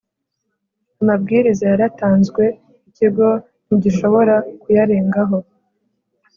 Amabwiriza yaratanzwe Ikigo ntigishobora kuyarengaho